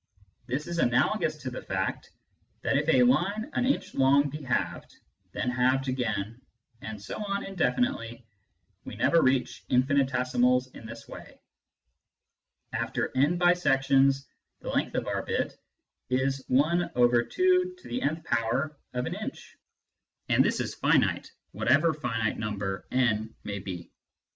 This is analogous to the fact that if a line an inch long be halved, then halved again, and so on indefinitely, we never reach infini tesimals in this way : after n bisections, the length of our bit is — of an inch ; and this is finite whatever finite number n may be.